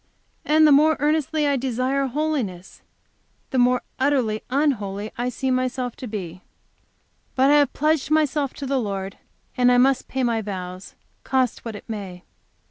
And the more earnestly I desire holiness, the more utterly unholy I see myself to be. But I have pledged myself to the Lord, and I must pay my vows, cost what it may.